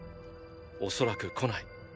おそらく来ない。